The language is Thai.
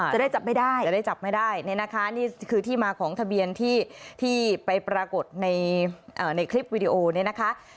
จะได้จับไม่ได้จะได้จับไม่ได้เนี่ยนะคะนี่คือที่มาของทะเบียนที่ไปปรากฏในคลิปวิดีโอเนี่ยนะคะ